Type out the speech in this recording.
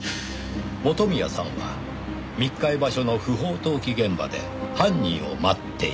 元宮さんは密会場所の不法投棄現場で犯人を待っていた。